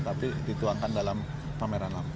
tapi dituangkan dalam pameran lama